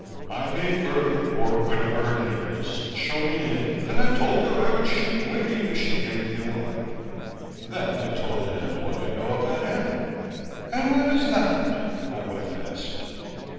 I made Myrtle or whatever her name is show me in and I told her I would shoot Winnie if she gave the alarm. Then I told him what I know about him." "And what is that?" my wife asked.